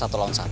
satu lawan satu